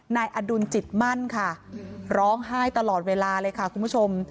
นายอดุลจิตมั่นค่ะร้องไห้ตลอดเวลาเลยค่ะคุณผู้ชม